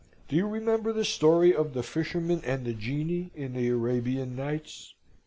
Do you remember the story of the Fisherman and the Genie, in the Arabian Nights?